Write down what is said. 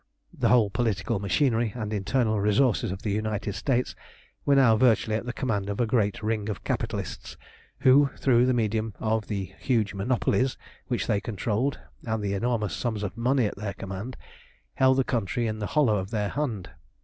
The whole political machinery and internal resources of the United States were now virtually at the command of a great Ring of capitalists who, through the medium of the huge monopolies which they controlled, and the enormous sums of money at their command, held the country in the hollow of their hand.